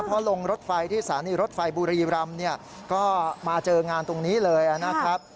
พอลงรถไฟที่สถานีรถไฟบุรีรำเนี่ยก็มาเจองานตรงนี้เลยนะครับ